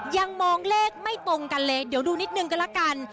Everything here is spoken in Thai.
ยังมองเลขไม่ตรงกันเลยเดี๋ยวดูนิดนึงก็ละกัน